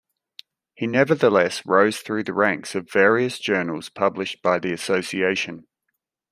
He nevertheless rose through the ranks of various journals published by the association.